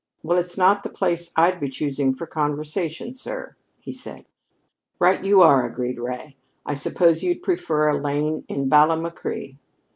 "Well, it's not the place I'd be choosing for conversation, sir," he said. "Right you are," agreed Ray. "I suppose you'd prefer a lane in Ballamacree?"